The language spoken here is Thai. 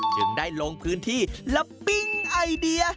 จึงได้ลงพื้นที่และปิ้งไอเดีย